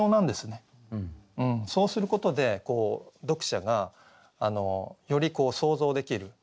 そうすることで読者がより想像できる。